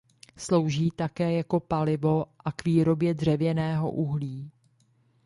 Slouží také jako palivo a k výrobě dřevěného uhlí.